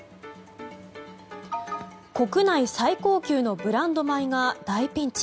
国内最高級のブランド米が大ピンチ。